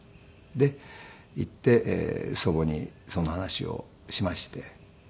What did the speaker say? で行って祖母にその話をしまして。